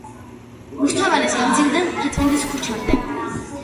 რუსთაველის გამზირიდან მთაწმინდის ქუჩამდე.